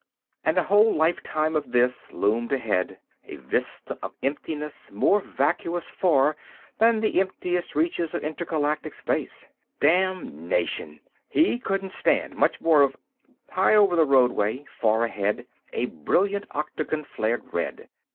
And a whole lifetime of this loomed ahead—a vista of emptiness more vacuous far than the emptiest reaches of intergalactic space. Damnation! He couldn't stand much more of— High over the roadway, far ahead, a brilliant octagon flared red.